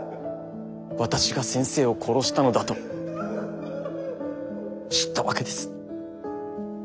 私が先生を殺したのだと知ったわけです。